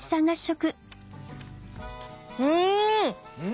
うん！